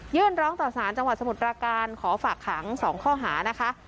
ร้องต่อสารจังหวัดสมุทรปราการขอฝากขัง๒ข้อหานะคะ